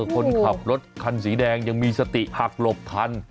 คนขับรถคันสีแดงยังมีสติหักหลบทัน